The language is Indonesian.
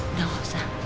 udah gak usah